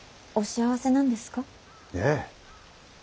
お幸せなんですか？